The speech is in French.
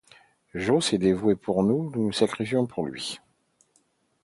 Joe s’est dévoué pour nous, nous nous sacrifierons pour lui!